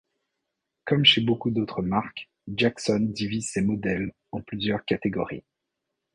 Comme chez beaucoup d'autres marques, Jackson divise ses modèles en plusieurs catégories.